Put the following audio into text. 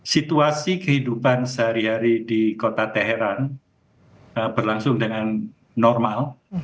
situasi kehidupan sehari hari di kota teheran berlangsung dengan normal